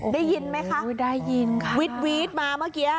ได้ยินไหมคะได้ยินวิทย์วิทย์มาเมื่อกี้